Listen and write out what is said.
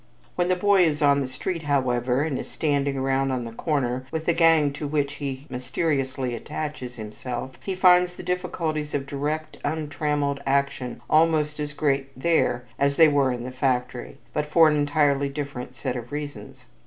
When the boy is on the street, however, and is "standing around on the corner" with the gang to which he mysteriously attaches himself, he finds the difficulties of direct untrammeled action almost as great there as they were in the factory, but for an entirely different set of reasons.